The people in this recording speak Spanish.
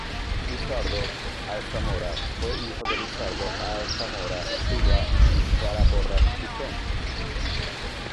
Lizardo Alzamora fue hijo de Lizardo Alzamora Silva y Sara Porras Tizón.